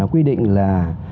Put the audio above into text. quy định là